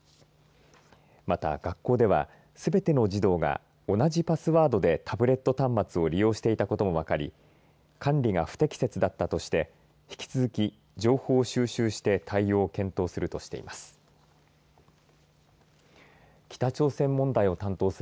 また学校では、すべての児童が同じパスワードでタブレット端末を利用していたことも分かり管理が不適切だったとして引き続き情報を収集して対応を検討するとしています。